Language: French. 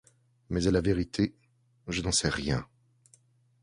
mais à la vérité je n’en sais rien.